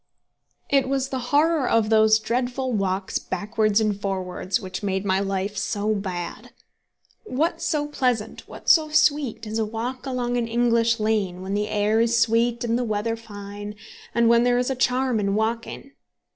It was the horror of those dreadful walks backwards and forwards which made my life so bad. What so pleasant, what so sweet, as a walk along an English lane, when the air is sweet and the weather fine, and when there is a charm in walking?